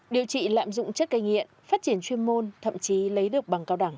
điều trị lạm dụng chất gây nghiện phát triển chuyên môn thậm chí lấy được bằng cao đẳng